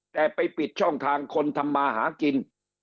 แต่ไปปิดช่องทางคนทำมาหากิน